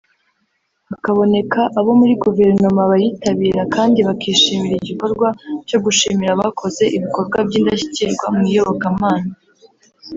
hakaboneka abo muri Guverinoma bayitabira kandi bakishimira igikorwa cyo gushimira abakoze ibikorwa by’indashyikirwa mu iyobokamana